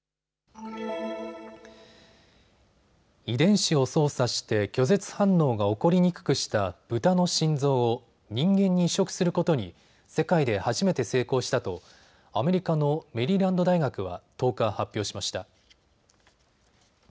遺伝子を操作して拒絶反応が起こりにくくしたブタの心臓を人間に移植することに世界で初めて成功したとアメリカのメリーランド大学は１０日、発表しました。